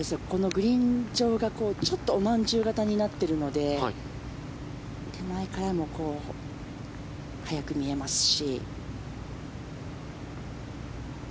グリーン上がちょっとおまんじゅう形になってるので手前からも速く見えますし。